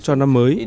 cho năm mới